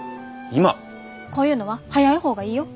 こういうのは早い方がいいよ。